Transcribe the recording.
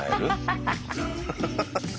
ハハハハッ！